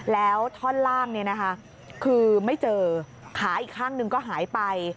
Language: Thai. แล้วท่อนล่างคือไม่เจอขาอีกข้างหนึ่งก็หายไป